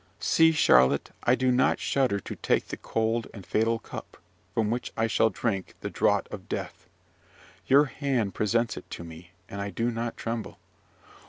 "See, Charlotte, I do not shudder to take the cold and fatal cup, from which I shall drink the draught of death. Your hand presents it to me, and I do not tremble.